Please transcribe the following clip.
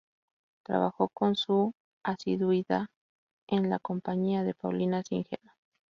Trabajó con asiduidad en la compañía de Paulina Singerman.